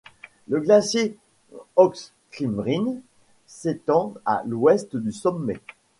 Le glacier Okstindbreen s'étend à l'ouest du sommet.